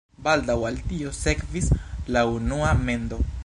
Baldaŭ al tio sekvis la unua mendo.